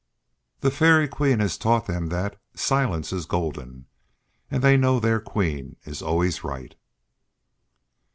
The Fairy Queen has taught them that "Silence is golden," and they know their Queen is always right.